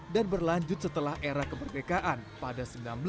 dan berlanjut setelah era kemerdekaan pada seribu sembilan ratus lima puluh